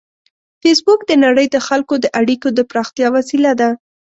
فېسبوک د نړۍ د خلکو د اړیکو د پراختیا وسیله ده